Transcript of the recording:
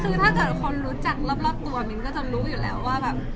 คือถ้าเกิดคนรู้จักรอบตัวมิ้นก็จะรู้อยู่แล้วว่าแบบ